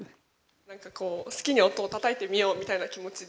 なんかこう好きに音をたたいてみようみたいな気持ちで。